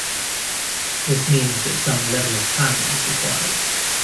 This means that some level of planning is required.